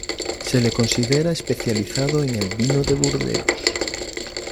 Se le considera especializado en el vino de Burdeos.